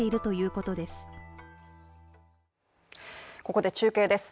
ここで中継です。